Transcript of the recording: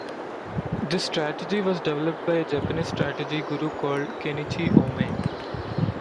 This strategy was developed by a Japanese strategy guru called Kenichi Ohmae.